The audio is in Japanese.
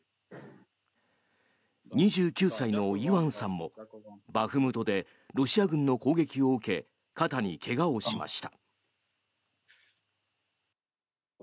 ２９歳のイワンさんもバフムトでロシア軍の攻撃を受け肩に怪我をしました。